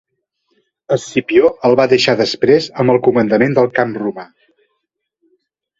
Escipió el va deixar després amb el comandament del camp romà.